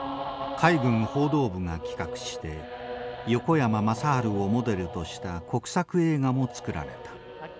海軍報道部が企画して横山正治をモデルとした国策映画も作られた。